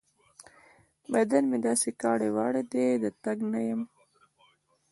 بدن مې داسې کاړې واړې دی؛ د تګ نه يم.